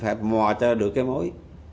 phải mò cho được cái mối